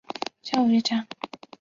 教育家。